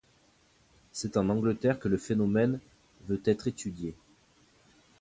C’est en Angleterre que le phénomène veut être étudié.